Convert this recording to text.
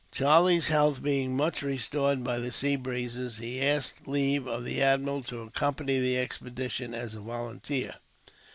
Charlie's health being much restored by the sea breezes, he asked leave of the admiral to accompany the expedition, as a volunteer.